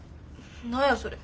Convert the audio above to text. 何やそれ。